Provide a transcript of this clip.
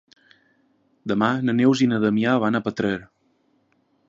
Demà na Neus i na Damià van a Petrer.